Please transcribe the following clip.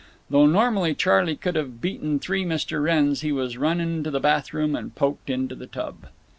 Though normally Charley could have beaten three Mr. Wrenns, he was run into the bath room and poked into the tub.